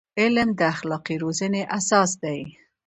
علم د اخلاقي روزنې اساس دی.